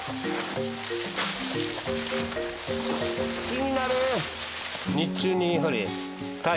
気になる。